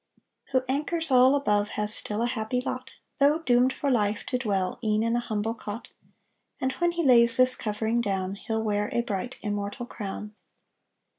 Who anchors all above Has still a happy lot, Though doomed for life to dwell E'en in a humble cot, And when he lays This covering down He'll wear a bright Immortal crown.